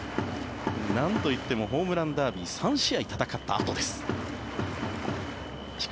なんといってもホームランダービー３試合戦ったあとです。